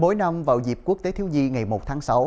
mỗi năm vào dịp quốc tế thiếu nhi ngày một tháng sáu